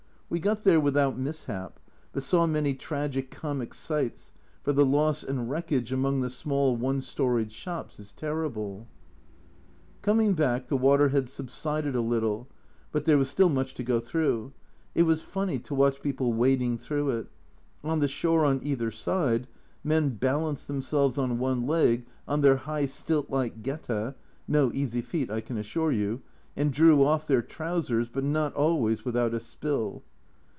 We got there without mishap, but saw many tragi comic A Journal from Japan 223 sights, for the loss and wreckage among the small one storied shops is terrible. Coming back the water had subsided a little, but there was still much to go through. It was funny to watch people wading through it ; on the shore on either side men balanced themselves on one leg on their high stilt like geta (no easy feat I can assure you) and drew off their trousers, but not always without a spill.